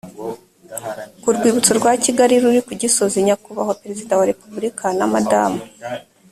ku rwibutso rwa kigali ruri ku gisozi nyakubahwa perezida wa repubulika na madamu